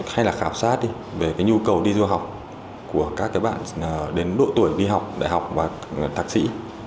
hay là khảo sát đi về cái nhu cầu đi du học của các cái bạn đến độ tuổi đi học đại học và thạc sĩ